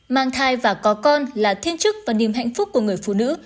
mang thai và có con là thiên chức và niềm hạnh phúc của người phụ nữ